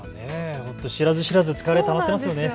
本当、知らず知らず、疲れたまっていますよね。